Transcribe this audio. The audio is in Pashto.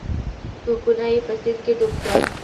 توپونه یې په سیند کې ډوب شول.